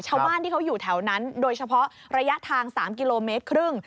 ชาวบ้านที่เขาอยู่แถวนั้นโดยเฉพาะระยะทาง๓กิโลเมตรครึ่ง